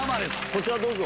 こちらどうぞ。